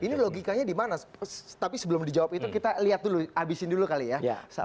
ini logikanya di mana tapi sebelum dijawab itu kita lihat dulu abisin dulu kali ya